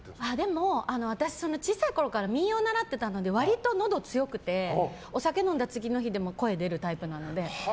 私、小さいころから民謡を習っていたので割とのど強くてお酒飲んだ次の日でも声が出るタイプなので。